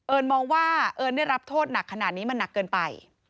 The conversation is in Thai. มองว่าเอิญได้รับโทษหนักขนาดนี้มันหนักเกินไป